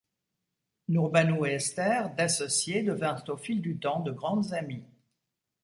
Nurbanu et Esther, d'associées devinrent au fil du temps de grandes amies.